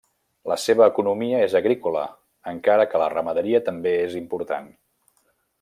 La seva economia és agrícola, encara que la ramaderia també és important.